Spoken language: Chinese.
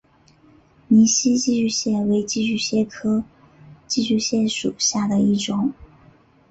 泥栖寄居蟹为寄居蟹科寄居蟹属下的一个种。